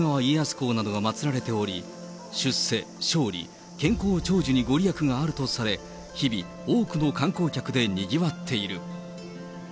公などが祭られており、出世、勝利、健康長寿にご利益があるとされ、日々、多くの観光客でにぎわっている。